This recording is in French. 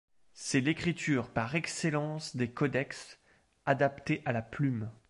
C’est l’écriture par excellence des codex, adaptée à la plume.